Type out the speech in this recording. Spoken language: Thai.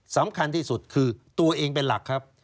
สำคัญที่สุดคือตัวเองเป็นหลักครับ